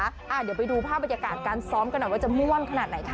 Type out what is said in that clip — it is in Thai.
เดี๋ยวไปดูภาพบรรยากาศการซ้อมกันหน่อยว่าจะม่วนขนาดไหนค่ะ